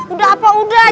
udah apa udah